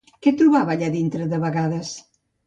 Què trobava allà dintre de vegades?